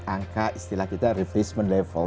angka istilah kita reversement level